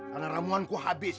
karena ramuanku habis